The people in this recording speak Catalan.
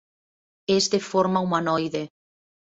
És de forma humanoide.